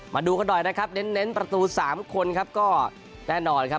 มาดูกันหน่อยนะครับเน้นประตู๓คนครับก็แน่นอนครับ